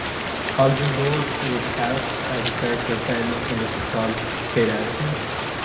Oxenbould was cast as the character "Ben" in the sitcom, "Hey Dad..!